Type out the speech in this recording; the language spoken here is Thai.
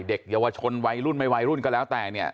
เด็กเยาวชนวัยรุ่นไม่วัยรุ่นก็แล้วแต่เนี่ย